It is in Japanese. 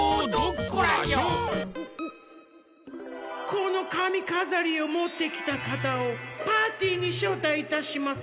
このかみかざりをもってきたかたをパーティーにしょうたいいたします。